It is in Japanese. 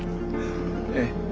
ええ。